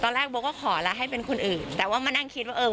แรกโบก็ขอแล้วให้เป็นคนอื่นแต่ว่ามานั่งคิดว่าเออ